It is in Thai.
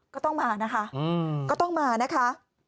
ก็ต้องมานะคะ